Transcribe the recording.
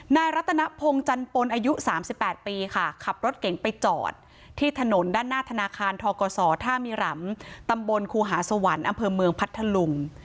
รัตนพงศ์จันปนอายุ๓๘ปีค่ะขับรถเก่งไปจอดที่ถนนด้านหน้าธนาคารทกศท่ามีหลำตำบลครูหาสวรรค์อำเภอเมืองพัทธลุง